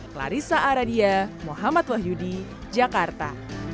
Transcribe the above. clarissa aradia muhammad wahyudi jakarta